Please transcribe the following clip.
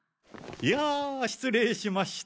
いや失礼しました。